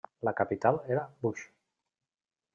La capital era Bhuj.